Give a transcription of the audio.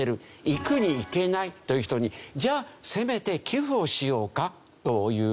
行くに行けないという人にじゃあせめて寄付をしようかという事ですよね。